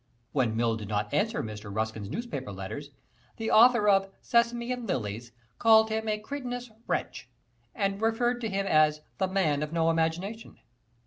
When Mill did not answer Mr. Ruskin's newspaper letters, the author of "Sesame and Lilies" called him a "cretinous wretch" and referred to him as "the man of no imagination."